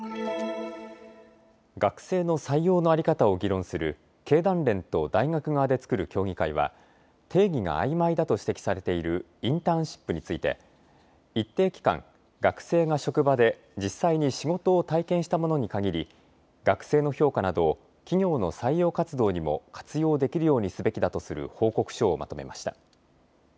学生の採用の在り方を議論する経団連と大学側で作る協議会は定義があいまいだと指摘されているインターンシップについて一定期間、学生が職場で実際に仕事を体験したものに限り学生の評価などを企業の採用活動にも活用できるようにすべきだとする報告書をまとめました。